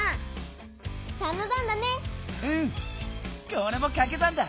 これもかけ算だ！